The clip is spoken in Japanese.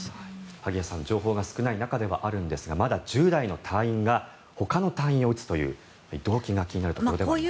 萩谷さんまだ情報が少ない中ですがまだ１０代の隊員がほかの隊員を撃つという動機が気になるところではありますね。